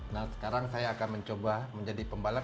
nah sekarang saya akan mencoba menjadi pembalap